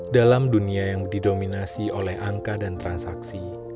dalam dunia yang didominasi oleh angka dan transaksi